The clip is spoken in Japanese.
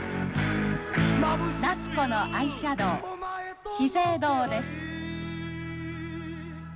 ナツコのアイシャドウ資生堂です。